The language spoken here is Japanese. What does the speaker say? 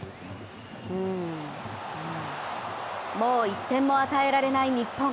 もう１点も与えられない日本。